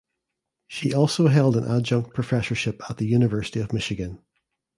She also held an adjunct professorship at the University of Michigan.